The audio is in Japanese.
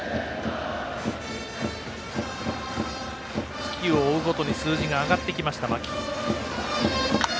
月を追うごとに数字が挙がってきました牧。